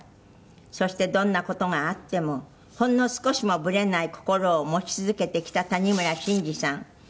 「そして、どんな事があってもほんの少しもブレない心を持ち続けてきた谷村新司さん」